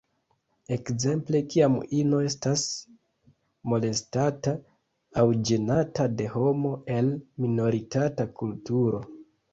Ekzemple kiam ino estas molestata aŭ ĝenata de homo el minoritata kulturo.